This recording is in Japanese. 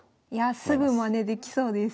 すぐマネできそうです。